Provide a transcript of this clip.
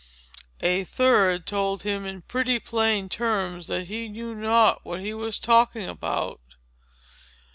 A third told him, in pretty plain terms, that he knew not what he was talking about.